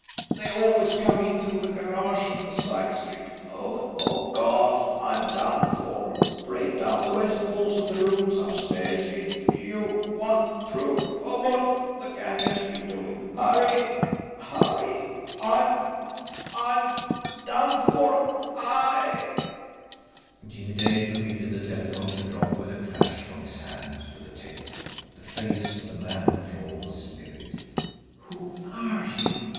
They always come in through the garage on the side street. Oh, God, I'm done for! Break down the west walls of the rooms upstairs if you want proof of what the gang's been doing. Hurry! Hurry! I'm I'm done for I " Jimmie Dale permitted the telephone to drop with a clash from his hand to the table. The face of the man on the floor was livid. "Who are you?